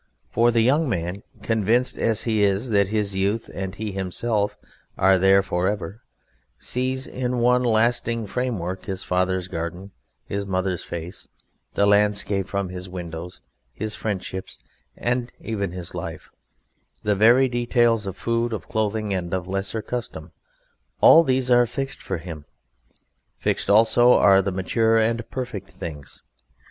For the young man, convinced as he is that his youth and he himself are there for ever, sees in one lasting framework his father's garden, his mother's face, the landscape from his windows, his friendships, and even his life; the very details of food, of clothing, and of lesser custom, all these are fixed for him. Fixed also are the mature and perfect things.